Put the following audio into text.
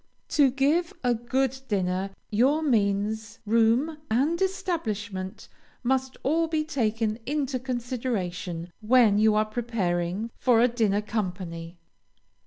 To give a good dinner, your means, room, and establishment must all be taken into consideration when you are preparing for a dinner company.